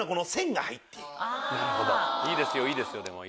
いいですよいいですよ。